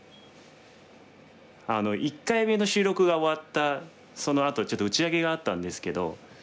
１回目の収録が終わったそのあとちょっと打ち上げがあったんですけど。